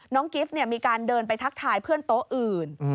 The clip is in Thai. กิฟต์มีการเดินไปทักทายเพื่อนโต๊ะอื่น